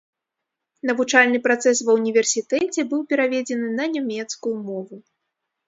Навучальны працэс ва ўніверсітэце быў пераведзены на нямецкую мову.